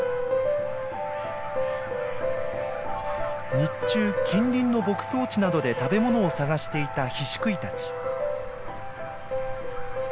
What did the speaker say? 日中近隣の牧草地などで食べ物を探していたヒシクイたち。